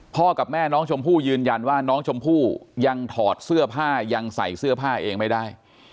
กับแม่น้องชมพู่ยืนยันว่าน้องชมพู่ยังถอดเสื้อผ้ายังใส่เสื้อผ้าเองไม่ได้